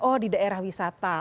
oh di daerah wisata